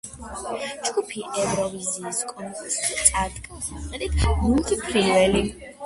ჯგუფი ევროვიზიის კონკურსზე წარდგა სიმღერით ლურჯი ფრინველი.